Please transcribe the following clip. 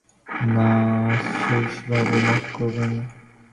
না শ্রীশবাবু, মাপ করবেন।